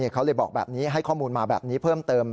เขาเลยบอกแบบนี้ให้ข้อมูลมาแบบนี้เพิ่มเติม